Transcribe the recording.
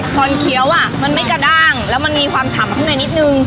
เคี้ยวอ่ะมันไม่กระด้างแล้วมันมีความฉ่ำข้างในนิดนึง